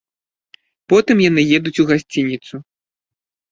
Потым яны едуць у гасцініцу.